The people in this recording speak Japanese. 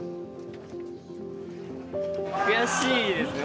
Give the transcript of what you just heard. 悔しいですね。